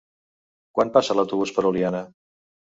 Quan passa l'autobús per Oliana?